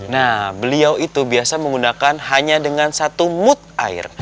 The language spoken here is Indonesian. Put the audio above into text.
nah beliau itu biasa menggunakan hanya dengan satu mood air